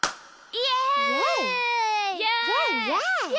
イエイ！